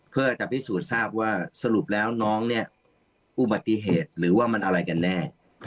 เพื่อจะพิสูจน์ทราบว่าสรุปแล้วน้องเนี่ยอุบัติเหตุหรือว่ามันอะไรกันแน่